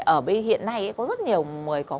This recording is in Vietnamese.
ở bên hiện nay có rất nhiều người có